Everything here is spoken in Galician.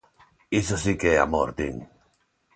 Iso si que é amor, din.